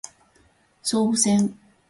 総武線